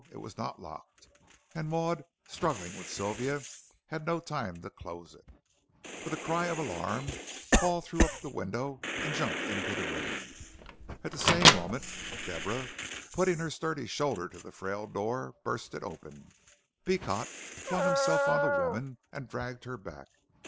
It was not locked, and Maud, struggling with Sylvia had no time to close it. With a cry of alarm Paul threw up the window and jumped into the room. At the same moment Deborah, putting her sturdy shoulder to the frail door, burst it open. Beecot flung himself on the woman and dragged her back.